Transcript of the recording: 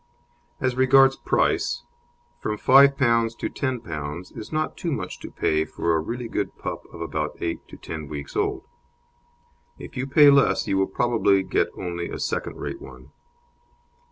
As regards price, from P5 to P10 is not too much to pay for a really good pup of about eight to ten weeks old; if you pay less you will probably get only a second rate one.